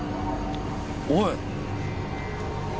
おい！